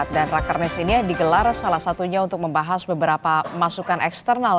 rakernas ini digelar salah satunya untuk membahas beberapa masukan eksternal